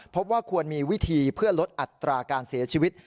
พบว่าควรมีวิธีเพื่อลดอัตราการเสียชีวิต